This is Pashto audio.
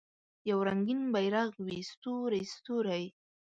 یو رنګین بیرغ وي ستوری، ستوری